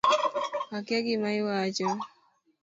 Akia gima iwacho